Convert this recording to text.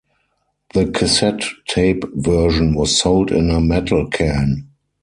The cassette tape version was sold in a metal can.